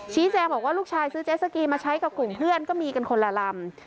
บอกว่าลูกชายซื้อเจสสกีมาใช้กับกลุ่มเพื่อนก็มีกันคนละลำ